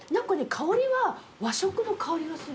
香りは和食の香りがする。